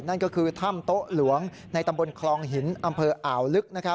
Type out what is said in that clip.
นั่นก็คือถ้ำโต๊ะหลวงในตำบลคลองหินอำเภออ่าวลึก